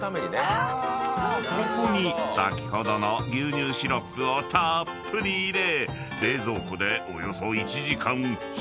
［ここに先ほどの牛乳シロップをたっぷり入れ］